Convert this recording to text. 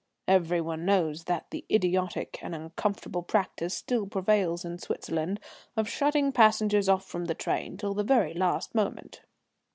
(Everyone knows that the idiotic and uncomfortable practice still prevails in Switzerland of shutting passengers off from the train till the very last moment.)